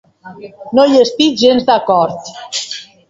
No hi estic gens d'acord.